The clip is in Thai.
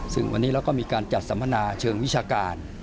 ซึ่งวันนี้เราก็มีการจัดสัมมนาเชิงวิชาการ